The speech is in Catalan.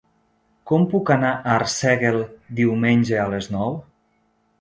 Com puc anar a Arsèguel diumenge a les nou?